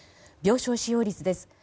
病床使用率です。